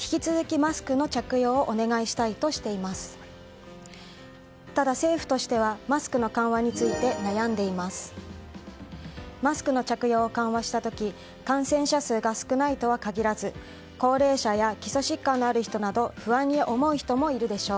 マスクの着用を緩和した時感染者数が少ないとは限らず高齢者や基礎疾患のある人など不安に思う人もいるでしょう。